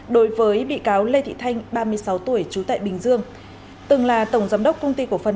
đối với bị cáo lê thị thanh ba mươi sáu tuổi trú tại bình dương từng là tổng giám đốc công ty cổ phần